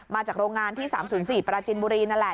มาจากโรงงานที่๓๐๔ปราจินบุรีนั่นแหละ